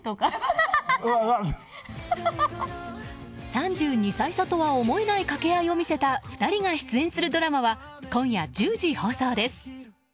３２歳差とは思えない掛け合いを見せた２人が出演するドラマは今夜１０時放送です。